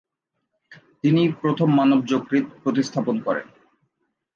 তিনি প্রথম মানব যকৃত প্রতিস্থাপন করেন।